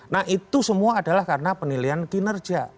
nah itu semua adalah karena penilaian kinerja